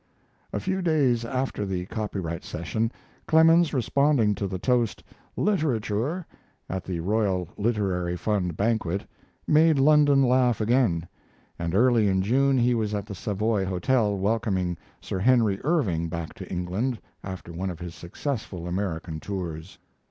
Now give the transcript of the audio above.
A few days after the copyright session, Clemens, responding to the toast, "Literature," at the Royal Literary Fund Banquet, made London laugh again, and early in June he was at the Savoy Hotel welcoming Sir Henry Irving back to England after one of his successful American tours.